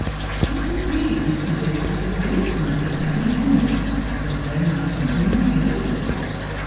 It was he who suggested that Blake might have had an 148 Just as I Am. enemy — that there might have been jealousy.